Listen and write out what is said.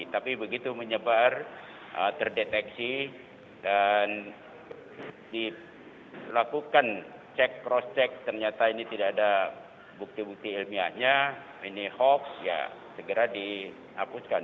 tapi begitu menyebar terdeteksi dan dilakukan cek proscek ternyata ini tidak ada bukti bukti ilmiahnya ini hoax ya segera dihapuskan